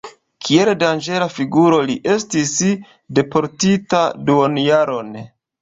Kiel danĝera figuro li estis deportita duonjaron.